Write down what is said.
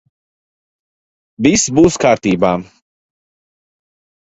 Viss būs kārtībā.